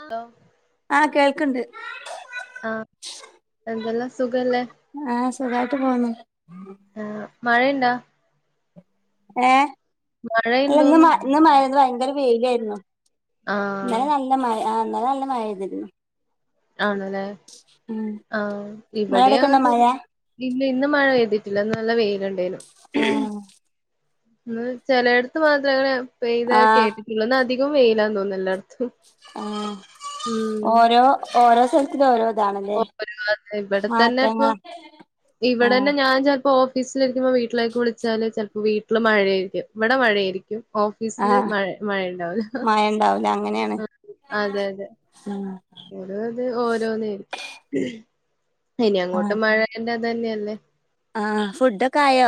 ആഹ്, hello ആഹ് കേൾക്ക്ണ്ട്. ആഹ്. എന്തെല്ലാം സുഖല്ലേ? ആഹ്, സുഖായ്ട്ട് പോവുന്നു. ആഹ്, മഴയ്ണ്ടോ? ഏഹ്? അല്ല ഇന്ന് മഴയുണ്ടോന്ന് മ ഇന്ന് മഴ ഇന്ന് വയങ്കര വെയിലായ്ര്ന്നു. ആഹ് ഇന്നലെ നല്ല മഴ, ആഹ് ഇന്നലെ നല്ല മഴെയ്ത്ക്ക്ണ്. ആണ്ലേ? ആഹ്, ഇവടിം നിങ്ങളവിടെക്കെണ്ടോ മഴ അങ്ങൻതന്നെ. പിന്നെ ഇന്ന് മഴ പെയ്തിട്ടില്ല ഇന്ന് നല്ല വെയില്ണ്ടേയിനു ആ ഇന്ന് ചെലയ്ട്ത്ത് മാത്രങ്ങനെ പെയ്ത് ആഹ് കേട്ടിട്ടൊള്ളൂന്ന് ഇന്നധികം വെയിലാന്ന് തോന്നുന്നു എല്ലോട് എല്ലായിടത്തും ആ ഉം ഓരോ ഓരോ സ്ഥലത്തില് ഓരോതാണ് കൊപരാകാത് ഇവിടെ തന്നെപ്പൊ ആഹ് ഇവിടെന്നെ ഞാൻ ചെലപ്പോ ഓ ഫീസിലിരിക്കുമ്പോ വീട്ടിലേക്ക് വിളിച്ചാല് ചെലപ്പോ വീട്ടില് മഴയായിരിക്കും ഇവിടെ മഴയായിരിക്കും ഓഫീസില് മഴ മഴ ഉണ്ടാവൂല ഹ് മഴണ്ടാവൂല അങ്ങനേണ് ഇത് ത് ഓരോന്നേയിരിക്കും ഇനി അങ്ങോട്ട് മഴേന്റെ ഇതെന്നെഅല്ലേ ആ ഫുഡൊക്കായോ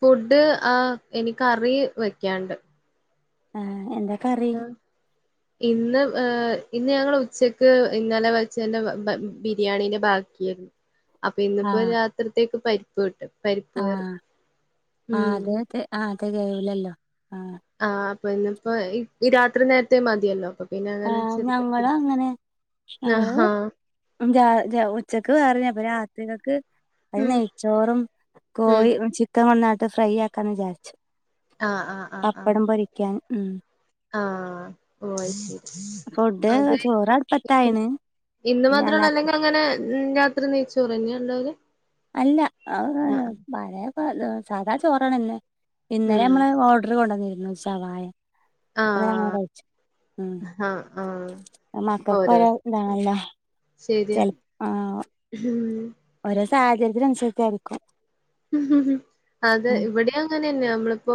ഫുഡ് ആ എനിക്കറി വെക്കാണ്ട് ഏ എന്താ കറി ആഹ് ഇന്ന് ഇന്ന് ഞങ്ങൾ ഉച്ചക്ക് ഇന്നലെ വെച്ചെന്റെ ബ ബ ബിരിയാണിന്റെ ബാക്കി അപ്പൊ ഇന്നിപ്പോ ആഹ് രാത്രിത്തേക്ക് പരിപ്പ് കിട്ടും പരിപ്പ് കറി മ് ആ കെ കെയീല്ലല്ലോ ആ ആ പ്പൊ ഇന്നിപ്പോ ഈ രാത്രി നേരത്ത് മതിയല്ലോ പം ആ ഞങ്ങളു അങ്ങനെ ഞങ്ങള് ആഹാ മ് രാ ര ഉച്ചക്ക് വേറെയ് അപ്പൊ രാത്രികക്ക് അത് ഉം നെയ്ച്ചോറും ഉം കോഴി ചിക്കൻ കൊന്നാട്ട് ഫ്രൈ ആക്കാന്ന് വിചാരിച്ചു ആഹ് പപ്പടം പൊരിക്കാൻ മ് ആ ഓ ശെ ഫുഡ് അതെ ചോറ് മ് അടുപ്പത്തായിണ് ഇന്ന് ഇനി അല്ലാ മാത്രൊള്ളല്ലൊ ഇങ്ങി അങ്ങനെ മ് രാത്രി നെയ്ച്ചോർന്നെയാള്ളൊൽ അല്ല [unintelligible] പഴയേ പൊലൊ സാദാ ചോറാണ് എല്ല ഇന്നലെ ഉം മ്മള് ഓർഡർ കൊണ്ടന്നീന്നു ഷവായ [unintelligible] ആഹ് മ് ആഹ് ആഹ് അത് മക്കക്ക് ബയ ഇതാണല്ലോ ശെരിയാ ചെൽ ആഹ് മ് ഓരോ സാഹചര്യത്തിനുസരിച്ചായിരിക്കും മ് ഹ് ഹ് അതെ ഇവിടെ അങ്ങനെന്നെയാ നമ്മളിപ്പോ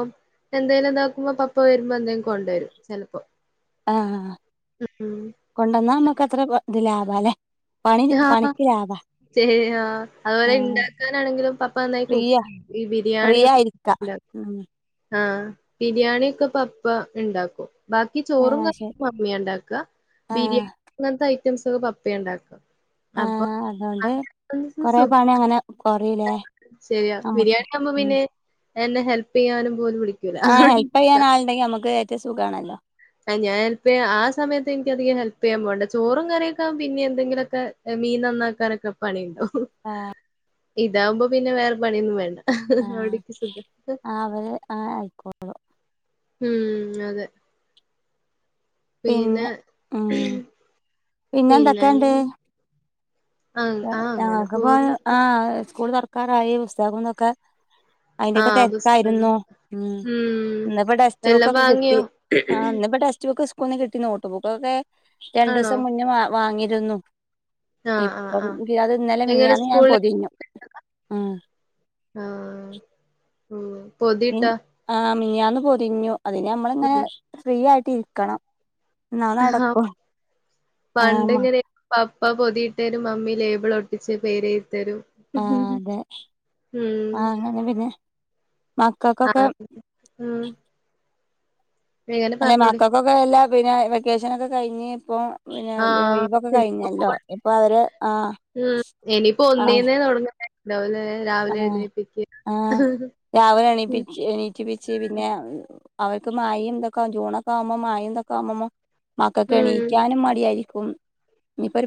എന്തേലുതാക്കുമ്പോ പപ്പ വെരുമ്പോ എന്തെങ്കി കൊണ്ടരും ചെലപ്പോൾ ആ മ് ഹ് കൊണ്ടന്നാ നമ്മക്ക് അത്ര ഇത് ലാഭാല്ലെ പണി പണിക്ക് ലാഭാ ചേ ആ അതുലെ ആഹ് ഉണ്ടാക്കാനാണെങ്കിലും പപ്പ നന്നായി കുക്കെയ് ഈ ബിരിയാണിയൊക് ത്ത മ് ആ ബിരിയാണിയൊക്കെ പപ്പ ഇണ്ടാക്കും ബാക്കി ചോറും ആഹ് ശരി കാറിയൊക്കെ മമ്മിയാണ്ടാക്ക ബിരിയാ ആഹ് അങ്ങന് ത്തെ ഐറ്റംസൊക്കെ പപ്പിയ ണ്ടാക്ക അപ്പൊ ആഹ് അതുകൊണ്ട് അന്നത്തെ കൊറെ പണി അങ്ങനെ കൊറയൂലേ [unintelligible] ശെരിയാ നമ്മക്ക് ബിരിയാണി ആകുമ്പോ ഉം പിന്നെ എന്നെ ഹെല് പിയ്യാനും പോലും വിളി ആ ഹെൽപെയ്യാനാള്ണ്ടെങ്കിൽ നമക്ക് ഏറ്റവും സുഖാണല്ലോ ആ ഞാൻ ഹെൽപെയ്യ ആ സമയത്തെ എനക്ക അധികം ഹെൽപെയ്യാൻ പോണ്ട ചോറും കറിയൊക്കാവുപിന്നെം എന്തെങ്കിലൊക്കെ മീൻ നന്നാക്കാനൊക്കെ പണിയ്ണ്ടാവും ആ ഇതാവുമ്പോ പിന്നെ വേറെ പണിയൊന്നും വേണ്ട ആഹ് എടക്ക് സുഖ ആഹ് അവര് ആഹ് ആയിക്കോ ഉം അതെ പിന്നാ പിന്നെന്തൊക്കെണ്ട് ആ ആ അങ്ങനെ ഞങ്ങൾക്കിപ്പൊ പോന്ന് ആഹ് സ്കൂള് തൊറക്കാറായി പുസ്തകങ്ങ ളൊക്കെ ആ അയിന്റെക്കെ പുസ്തകം തെരക്കായിരുന്നു ഉം ഉം ഇന്നിപ്പൊ ടെസ്റ്റ് ബുക്ക് എല്ലാം ഒക്കെ കിട്ടി വാങ്ങിയോ ആഹ് ഇന്നിപ്പൊ ടെസ്റ്റ് ബുക്ക് സ്കൂ ളിന്ന് കിട്ടി നോട്ട് ബുക്ക് ഒക്കെ ആണോ രണ്ടൂസം മുന്നേ വാ വാങ്ങിരുന്നു ആഹ് ആഹ് ആഹ് എങ്ങനെ മിനിയാന്ന് ഞാൻ സ്കൂളില് പൊതിഞ്ഞു [unintelligible] ഉം ആഹ് ഉം മി പൊതിയിട്ടാ ആഹ് മെനിഞ്ഞാന്ന് പൊതിഞ്ഞു അതിന് നമ്മള്ങ്ങനെ ഉം ഫ്രീ ആയിട്ട് ഇരിക്കണം. എന്നാ ആഹ് നടക്കും ആഹ് മ പണ്ടിങ്ങനെ. പപ്പ പൊതിയിട്ടരും മമ്മി ലേബിളൊട്ടിച്ച് പേരെഴ്തിത്തരും. ആഹ് അതെ ആഹ് അങ്ങനെ പിന്നെ ആ മക്കക്കൊക്കെ. ഉം എങ്ങനെ അല്ലെ പറഞ്ഞോളി മക്കക്കൊക്കെ എല്ലാ പിന്നാ വെക്കേഷനൊക്കെ കഴിഞ്ഞ് ഇപ്പൊ. പിന്ന ആ അത് ഒഴിവൊക്കെ ഇനിയിപ്പോ കഴിഞ്ഞല്ലൊ ഇപ്പൊ അവര് ആഹ്. ഉം ഇനിയിപ്പൊ ആഹ് ഒന്നീന്നെ തൊട്ങ്ങണ്ടാവോല്ലേ രാവിലെ ആഹ് എണീപ്പിച്ച്. ആഹ് രാവിലെ എണീപ്പിച്ച് എണീറ്റിപ്പിച്ച് പിന്നാ. അവർക്ക് മയിംതൊക്കെ ജൂണൊക്കാവുമ്പൊ മയിംതൊക്ക ആകുമ്പം മക്കക്ക് ഉം എണീക്കാനും മടിയാരി ക്കും.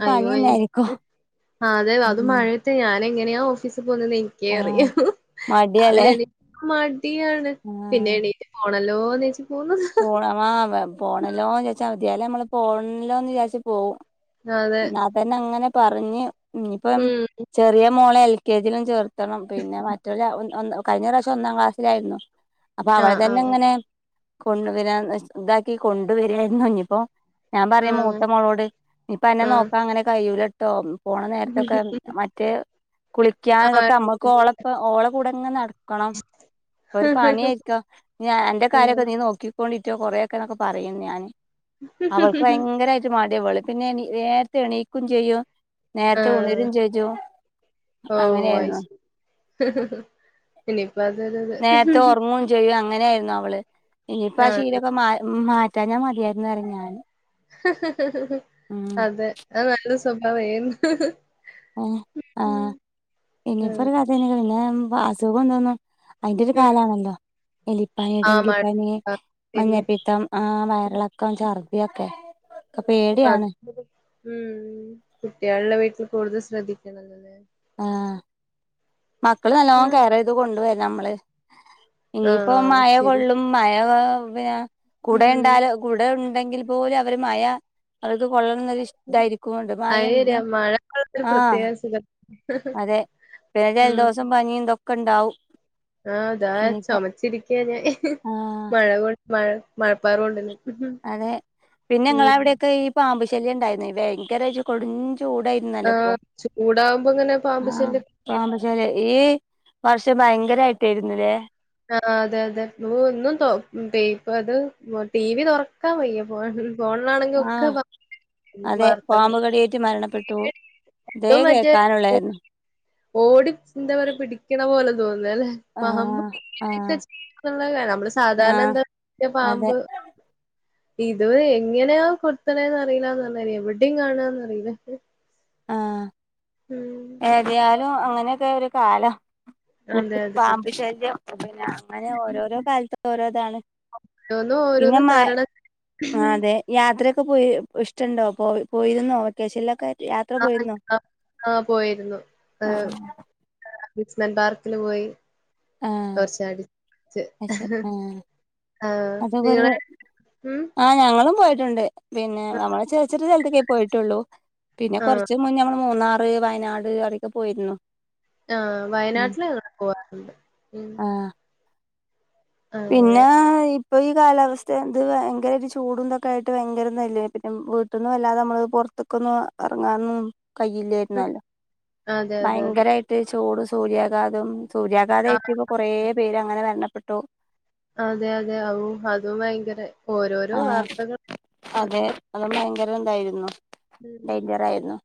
അയ്യോ എനിക്ക് അതെ അത് ഉം മഴയ ത്ത് ഞാനെങ്ങനെയാ ഓഫീസിൽ പോകുനെന്ന് എനി ആഹ് ക്കേറിയാവൂ മടിയാല്ലേ രാവിലെ എണീ മടിയാണ് പിന്നെ ആഹ് എണീറ്റ് പോണല്ലോന്ന്ച്ച്. പോ ആഹ് പോണല്ലോ ചാര്ച്ചമതി അല്ലെ അമ്മള് പോണല്ലോന്ന് വിചാര്ച്ച് പോവും. അതെ. ന്നതന്നെങ്ങനെ പറഞ്ഞ് ന്നിപ്പം ഉം. ചെറിയ മോളെ എൽ കെജിലും ചേർക്കണം പിന്നെ മറ്റൊര കഴിഞ്ഞ പ്രാവശ്യം ഒന്നാം ക്ലാസ്സിലായിരുന്നു. അപ്പൊ അവര് ആഹ് ആഹ് ആഹ്. തന്നങ്ങനെ കൊണ്ടു വരാ ഇതാക്കി കൊണ്ട് വരായ്രുന്നു ന്നിപ്പൊ. ഞാപറയും മൂത്ത ആഹ് മോളോട് ഞിപ്പന്നെ ആഹ്. നോക്കാങ്ങനെ കഴിയൂല ട്ടോ പോണ നേര്ത്തൊക്കെ മറ്റേ കുളിക്കാൻ ഇതൊക്കെ ആഹ്. അമ്മുക്ക് ഓളെ ഓളെകൂടങ്ങ് നടക്കണം പ്പൊരു പണ്യാര്ക്ക ഞി അൻ്റെ കാര്യൊ നോക്കിക്കോളീറ്റൊ കൊറേക്കെ ന്നൊക്കെ പറയും ഞാന്, അവൾക്ക് ഭയങ്കരായിട്ട് മട്യ ഇവള്- പിന്നെ ണീ നേര്ത്തെ എണീക്കും ചെയ്യും. നേരത്തെ ഉണരും ആഹ്. ചെജും അങ്ങനെയാര്ന്ന് ഉ് ഇനിപ്പ അതൊരൊരു നേര്ത്തെ ഒർങ്ങും ചെയ്യും അങ്ങനായിര്ന്നു അവള്, ഇനിയിപ്പൊ ആണ്. ആശീലൊക്കെ മാ മാ റ്റാഞ്ഞാ മതിയാര്ന്ന് പറയും ഞാൻ അതെ അത് നല്ല സ്വഭാവാ ഏഹ് - ഏഹ് ആഹ് ഇനിയിപ്പൊ ഒരു കഥേനെ പിന്നാ അസുഖൊന്നൊ ന്നും. അയ്ന്റൊരു ഉം. കാലാണല്ലൊ എലിപ്പനി, ആഹ് മഴ ഡങ്കിപ്പനി, ആഹ് ശരിയാ. മഞ്ഞപ്പിത്തം, ആഹ് വയറിളക്കം, ചർദ്ദിയൊക്കെ ഒക്കെ അതെ. പേട്യാണ്. ഉം കുട്ട്യാളുള്ള വീട്ടിൽകൂടുതൽ ശ്രദ്ധിക്കണം ന്നല്ലെ ആഹ് മക്കളെ നല്ലോണം കെയറെയ്ത് കൊണ്ട്വരാ നമ്മള്. ഇനിയിപ്പം ആഹ് മയ ശരി. കൊള്ളും മയ പിന്ന ഉം കുടണ്ടാല് കുട ഉണ്ടെങ്കിൽ പോലും അവര് മയ അവർക്ക് കൊള്ളണം ന്നൊരിഷ് ടായ്രിക്കും കൊണ്ട് മയ എന്ത് ആഹ്. സുഖ അതെ പിന്നെ ജലദോഷം പനിതൊക്കെ ണ്ടാവും. ആഹ് താ ചുമച്ചിരിക്ക്യാ ഞാൻ ആഹ് മഴ കൊ മഴ മഴപ്പാറ് കൊണ്ടന്ന്. അതെ പിന്നെങ്ങളവിടെക്കെ ഈ പാമ്പ്ശല്യംണ്ടായ്ര്ന്നീലെ, ഭയങ്കരൊരു കൊടും ചൂടായ് ആഹ് ചൂടാവുമ്പോങ്ങനെ പാമ്പ് ശല്യം. പാമ്പ്ശല്യം ഈ വർഷം ഭയങ്കരായ്ട്ടേര്ന്ന്ലേ. ആഹ് അതെ അതെ ഓഹ് ഇന്നും ഇപ്പ അത് ടീ വി തൊറക്കാൻ വയ്യപോ ഫോൺലാണെങ്കി ഒക്കെ ആഹ് ബാ അതെ പാമ്പുകടിയേറ്റ്മരണപ്പെട്ടു തേ ഇപ്പൊ മറ്റേ ഓ കേക്കാനുള്ളായ്ര്ന്നു. ഓടി ന്താപറ്യ പിടിക്ണ പോലെ തോന്നല്ലേ ആഹ് പാമ്പ്. [inaudible] ആഹ് ക്കെ നമ്മള് സാധാരണ ആഹ് എന്താ അതെ പാമ്പ് ഇത്വരെ എങ്ങനെയാ കൊത്ത്ണേന്ന്റിയില്ലന്നർഞ്ഞതിരി എവിടെയും കാണന്ന്റിയില്ല ആഹ് ഏതായാലും അങ്ങനെയൊക്കെ ഒരു കാലാ അതെ അതെ പാമ്പു അതെ ശല്യം അങ്ങനെ ഓരോരോ കാലത്ത് ഓരോതാണ് ഓരോന്നും പിന്നെ ഓരോന്നും മയ് തരണം ആ അതെ യാത്രയൊക്കെ പോയി ഇഷ്ടണ്ടോ പോയി പോയിരുന്നോ വെക്കേഷൻലൊക്കെ യാത് [unintelligible] ആഹ് പോയിരുന്നു ഏഹ് അമുസ്മെന്റ് പാർക്കില് പോയി ആഹ് കുറച്ച അടിച്ച് അത് ശരി ആഹ് ആഹ് അതൊക്കെ ഒരു നിങ്ങളെ ഉം ആഹ് ഞങ്ങളും പോയിട്ടുണ്ട് പിന്നെ നമ്മളെ ചെറിയ ചെറിയ സ്ഥലത്തൊക്കേ പോയിട്ടുള്ളൂ പിന്നെ ആഹ് കുറച്ച് മുന്നേ ഞമ്മൾ മൂന്നാറ് വയനാട് അവിടെക്കെ പോയിരുന്നു ആഹ് ഉം വയനാട്ടിൽങ്ങനെ പോവാറ്ണ്ട് ഉം ആഹ് പിന്നെ അങ്ങനെ ഇപ്പൊ ഈ കാലാവസ്ഥ ഇത് ഭയങ്കര ഒരു ചൂടുംന്തൊക്കെ ആയിട്ട് ഭയങ്കരന്നല്ല പിന്നെ വി ട്ട്ന്നും വല്ലാതെ നമ്മള് പുറത്ക്കൊന്നും ഇറങ്ങാനൊന്നും ഉം കഴയില്ലായിരുന്നല്ലോ അതെ അതെ അതെ ഭയങ്കരായിട്ട് ചൂട് സൂര്യാഘാതം ആഹ് സൂര്യാഘാതേറ്റ് പ കൊറേ പേര് അങ്ങനെ മരണപ്പെട്ടു അതെ അതെ അഊ അതും ഭയങ്കര ഓരോരോ ആ വാർത്തകൾ അതെ അതും ഭയങ്കരന്തായിരുന്നു ഉം ഡേഞ്ചറായിരുന്നു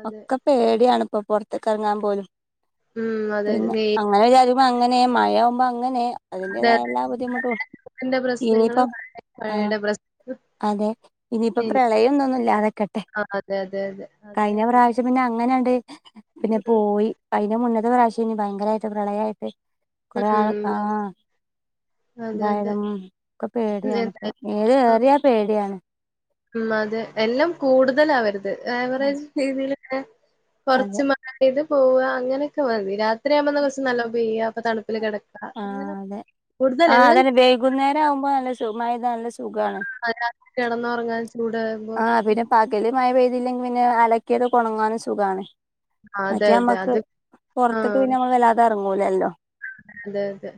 അതെ ഒക്കെ പേടിയാണ്പ്പൊ പൊറത്തേക്ക് ഇറങ്ങാൻ പോലും ഉം അതെ പിന്നെ വെ അങ്ങനെ [unintelligible] വങ്ങനെ മഴ ആകുമ്പോ അങ്ങനെ അതെ അതിന്റെതായ എല്ലാ ബുദ്ധിമുട്ടും ന്റെ പ്രശ്നങ്ങള് ഇനിയിപ്പം ആ [unintelligible] അതെ ഇനിയിപ്പോ എനി പ്രളയംന്നൊന്നുല്ലാതെക്കട്ടെ ആ അതെ അതെ അതെ അത് കഴിഞ്ഞ പ്രാവശ് ച് പിന്നെ അങ്ങനെയണ്ട് പിന്നെ ഉം പോയി അയ്ന്റെ മുന്നത്തെ പ്രാവശ്യംന് ഭയങ്കരായിട്ട് പ്രളയായിട്ട് കൊറെ ആള് ഉം ആഹ് അതെ അതെ എന്തായാലും ഒക്കെ പേടിയാണ് ഇപ്പൊ ഏത് ഏറിയ പേടിയാണ് ഉം അതെ എല്ലാം കൂടുതലാവര്ത് ആവറേജ് രീതിയിലെക്കെ അതെ കൊറച്ച് മ ണ്ട് ഇത് പോവ അങ്ങനെയൊക്കെ മതി രാത്രിയാവുമ്പോന്ന കൊച് നല്ലോപെയ്യ അപ്പൊ തണുപ്പില് കിട ആഹ് അതെ ആഹ് അതന്നെ വൈകുന്നേരം ആവുമ്പോ നല്ല സു മയയ്താ നല്ല സുഖാണ് [unintelligible] കിടന്ന് ഉറങ്ങാൻ ചൂട് ആഹ് പിന്നെ പകല് മഴ പെയ്തില്ലെങ്കി പിന്നെ അലക്കിയത് കൊണങ്ങാനും സുഖാണ് അതെ മറ്റേ അതെ അമ്മക്ക് അത് പൊർത്ത്ക്ക് ആഹ് പിന്നെ നമ്മള് വല്ലാതെ ഇറങ്ങൂലല്ലോ അതെ അതെ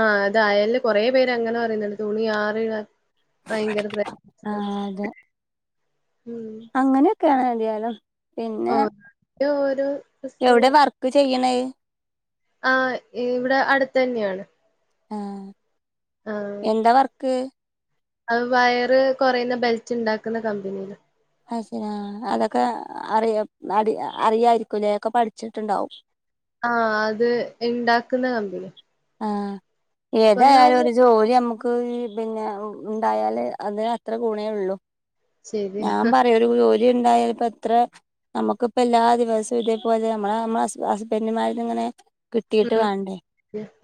ആഹ് അത് അയല് കൊറെ പേര് അങ്ങനെ പറയുന്നുണ്ട് തുണി ആറിടാ ഭയങ്കര പ്ര ആ അതെ ഉം അങ്ങനെയൊക്കെയാണ് എന്തായാലും ഓഹ് ഓരോ പ്രശ്നങ്ങൾ എവിടെ വർക്ക് ചെയ്യ്ണത് ആഹ് ഇവിടെ അടുത്തന്ന്യാണ് ആഹ് എന്ത വർക്ക് അത് വയറ് കൊറയ്ന്ന ബെൽറ്റ് ഇണ്ടാക്ക്ന്ന കമ്പനിയില അത് ശരി അതൊക്കെ അറിയു അ അറിയായിരിക്കുലേ ഒക്ക പഠിച്ചിട്ടുണ്ടാവും ആഹ് അത് ഇണ്ടാക്ക്ന്ന കമ്പനി ആഹ് ഏതായാലു ജോലി നമക്ക് പിന്നെ ഇണ്ടായാല് അതിന് അത്ര ഗുണേ ഉള്ളു ശരി ഞാൻ പറയു ഒരു ജോലി ഇണ്ടായ ഇപ്പ എത്ര നമ്മുക്കിപ്പ എല്ലാ ദിവസവു ഇതേപോലെ നമ്മളെ നമ്മ ഹസ്ബന്റ്മാരത് ഇങ്ങനെ കിട്ടിയിട്ട് ഉം വേണ്ടേ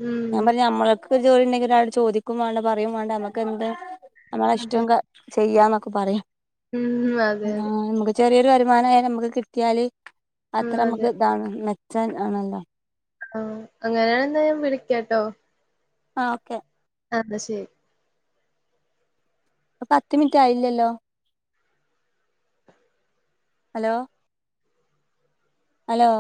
ഉം ഞാൻ പറഞ്ഞു നമ്മളക്ക് ഒരു ജോലി ഇണ്ടെങ്കി ഒരാളോട് ചോദിക്കും വേണ്ട പറയും വേണ്ട നമക്ക് എന്ത് നമ്മള അതെ ഇഷ്ടം ക ചെയ്യാന്നൊക്ക പറയ് ഉം വ ആഹ് നമുക്ക് ചെറിയൊരു വരുമാനായി നമക്ക് കിട്ടിയാല് അത്ര ആഹ് അതെ നമക്ക് ഇതാണ് മെ ച്ചം ആണല്ലൊ. ആഹ് അങ്ങനെയാണെന്ന ഞാൻ വിളിക്കാട്ടൊ. ആഹ് ഓക്കെ. അത് ശെരി. ഇപൊ പത്ത് മിൻറ്റ് ആയില്ലല്ലൊ. ഹലോ. അലോ.